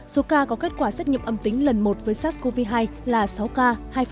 số ca có kết quả xét nghiệm âm tính lần một với sars cov hai là sáu ca hai